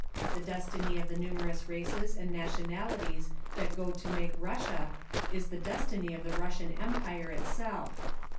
The destiny of the numerous races and nationalities that go to make Russia is the destiny of the Russian Empire itself.